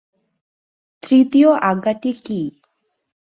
তৃতীয় আজ্ঞাটি কী?